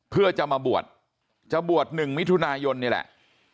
เพื่อจะมาบวชจะบวช๑มิถุนายนนี่แหละ